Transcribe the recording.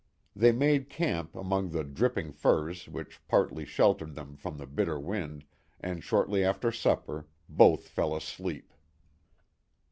They made camp among the dripping firs which partly sheltered them from the bitter wind, and shortly after supper both fell asleep.